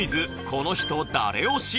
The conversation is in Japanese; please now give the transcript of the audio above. この人、誰推し？」